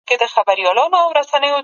دا خبره دربار ناارامه کړه